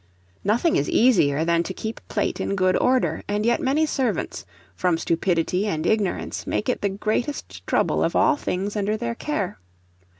Nothing is easier than to keep plate in good order, and yet many servants, from stupidity and ignorance, make it the greatest trouble of all things under their care.